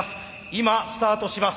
今スタートします。